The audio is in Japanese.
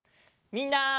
みんな！